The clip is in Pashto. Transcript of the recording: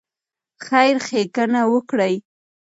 خیر ښېګڼه وکړئ.